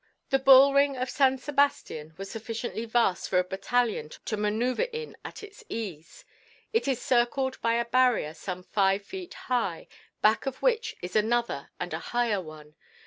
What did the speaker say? The bull ring of San Sebastian is sufficiently vast for a battalion to manœuvre in at its ease. It is circled by a barrier some five feet high, back of which is another and a higher one.